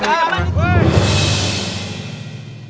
ya ya pak